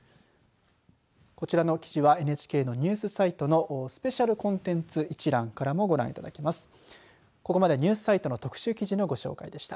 こちらの記事はＮＨＫのニュースサイトのスペシャルコンテンツ一覧からもご覧いただけます。